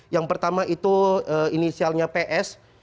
yang pertama itu inisialnya ps